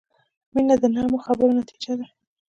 • مینه د نرمو خبرو نتیجه ده.